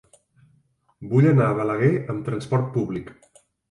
Vull anar a Balaguer amb trasport públic.